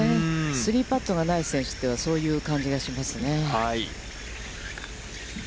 ３パットがない選手って、そういう感じがしますね。